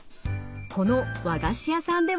この和菓子屋さんでは。